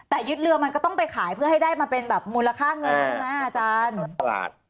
แต่ยึดเรือมันก็ต้องไปขายเพื่อให้ได้มาเป็นแบบมูลค่าเงินใช่ไหมอาจารย์